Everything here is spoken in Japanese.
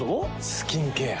スキンケア。